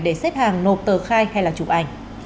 để xếp hàng nộp tờ khai hay là chụp ảnh